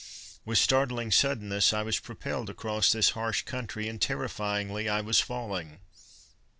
With startling suddenness, I was propelled across this harsh country, and, terrifyingly, I was falling.